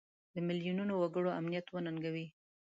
د میلیونونو وګړو امنیت وننګوي.